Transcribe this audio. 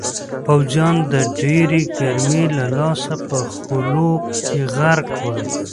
پوځیان د ډېرې ګرمۍ له لاسه په خولو کې غرق ول.